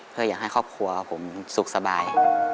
เพื่ออยากให้ครอบครัวผมสุขสบาย